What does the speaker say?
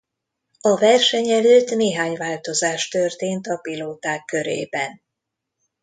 A verseny előtt néhány változás történt a pilóták körében.